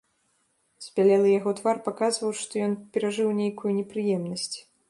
Збялелы яго твар паказваў, што ён перажыў нейкую непрыемнасць.